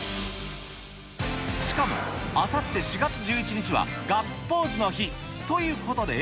しかもあさって４月１１日はガッツポーズの日。